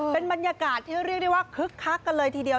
เป็นบรรยากาศที่เรียกได้ว่าคึกคักกันเลยทีเดียว